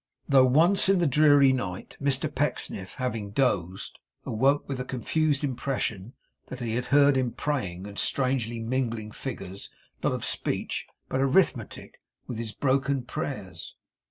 Though once in the dreary night Mr Pecksniff, having dozed, awoke with a confused impression that he had heard him praying, and strangely mingling figures not of speech, but arithmetic with his broken prayers.